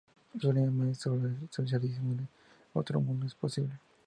Su lema es: "¡Solo en el socialismo otro mundo es posible!